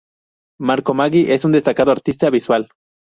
Marco Maggi es un destacado artista visual.